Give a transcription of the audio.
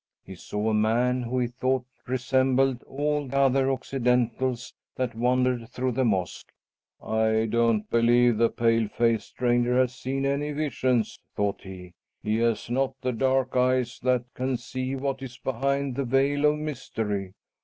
He saw a man who he thought resembled all other Occidentals that wandered through the mosque. "I don't believe the pale faced stranger has seen any visions," thought he. "He has not the dark eyes that can see what is behind the veil of mystery.